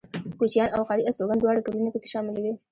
کوچيان او ښاري استوگن دواړه ټولنې پکې شاملې وې.